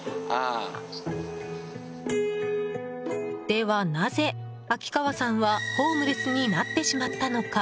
では、なぜ秋川さんはホームレスになってしまったのか。